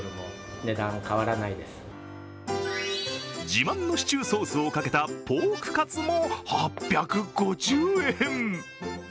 自慢のシチューソースをかけたポークカツも８５０円。